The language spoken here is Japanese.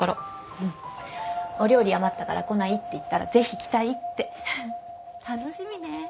「お料理余ったから来ない？」って言ったら「ぜひ来たい」って。楽しみね。